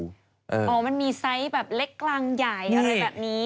อ๋อมันมีไซส์แบบเล็กกลางใหญ่อะไรแบบนี้